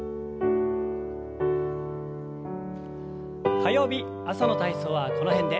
火曜日朝の体操はこの辺で。